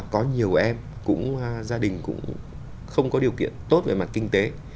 có nhiều em cũng gia đình cũng không có điều kiện tốt về mặt kinh tế